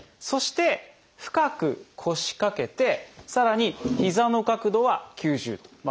そして深く腰掛けてさらにひざの角度は９０度。